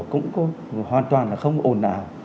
cũng hoàn toàn là không ồn ảo